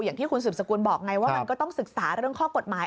อย่างที่คุณสืบสกุลบอกไงว่ามันก็ต้องศึกษาเรื่องข้อกฎหมาย